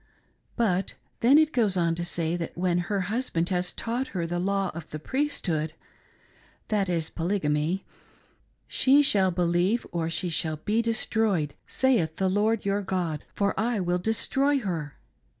But then it goes on to say that when her husband has taught her the law of the Priesthood — that is Polygamy —" she sliall believe or she shall be destroyed, saith the Lord your God, for I will destroy her."